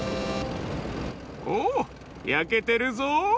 おおやけてるぞ。